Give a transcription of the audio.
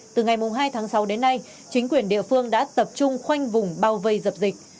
từ ngày hai tháng sáu đến nay chính quyền địa phương đã tập trung khoanh vùng bao vây dập dịch